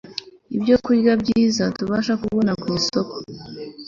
ibyokurya byiza tubasha kubona ku isoko